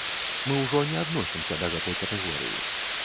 Мы ўжо не адносімся да гэтай катэгорыі.